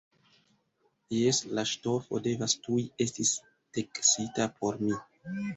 Jes, la ŝtofo devas tuj esti teksita por mi!